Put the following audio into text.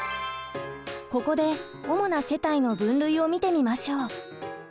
ここで主な世帯の分類を見てみましょう。